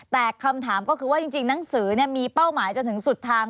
แต่คำถามก็คือว่าจริงหนังสือมีเป้าหมายจนถึงสุดทาง